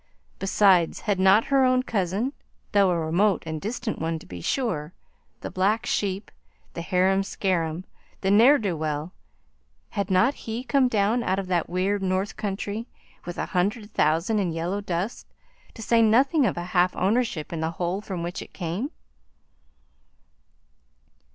Besides, had not her own cousin, though a remote and distant one to be sure, the black sheep, the harum scarum, the ne'er do well, had not he come down out of that weird North country with a hundred thousand in yellow dust, to say nothing of a half ownership in the hole from which it came?